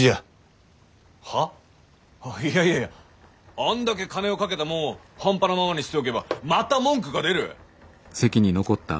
あんだけ金をかけたもんを半端なままに捨て置けばまた文句が出る。